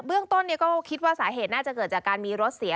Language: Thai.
เรื่องต้นก็คิดว่าสาเหตุน่าจะเกิดจากการมีรถเสีย